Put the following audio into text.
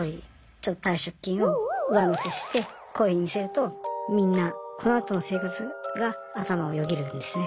ちょっと退職金を上乗せしてこういうふうに見せるとみんなこのあとの生活が頭をよぎるんですね。